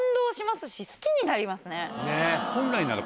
本来なら。